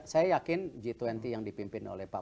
saya yakin g dua puluh yang dipimpin oleh pak